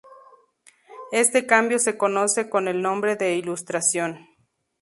Este cambio se conoce con el nombre de Ilustración.